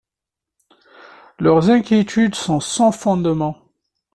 Leurs inquiétudes sont sans fondement.